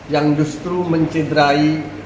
yang justru mencederai